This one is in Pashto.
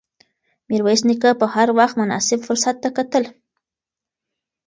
میرویس نیکه به هر وخت مناسب فرصت ته کتل.